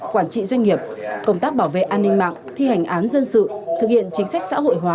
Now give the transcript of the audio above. quản trị doanh nghiệp công tác bảo vệ an ninh mạng thi hành án dân sự thực hiện chính sách xã hội hóa